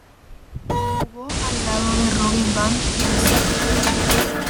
Jugó al lado de Robin Van Persie.